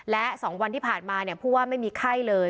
และ๒วันที่ผ่านมาผู้ว่าไม่มีไข้เลย